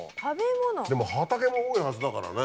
でも畑も多いはずだからね。